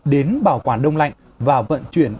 đến bảo quản đông lạnh và vận chuyển